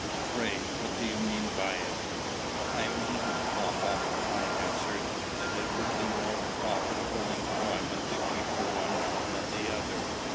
"Pray, what do you mean by it?" "I mean, papa," I answered, "that it would be a more profitable employment to keep the one than the other."